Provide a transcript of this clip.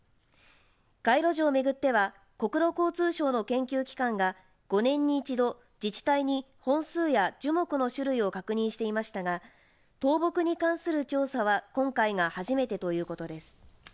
街路樹を巡っては国土交通省の研究機関が５年に１度自治体に本数や樹木の種類を確認していましたが倒木に関する調査は今回が初めてということです。